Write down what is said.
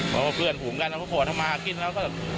เราก็เพื่อนภูมิกันเราก็ขอทะมากขึ้นแล้วก็ตามสบาย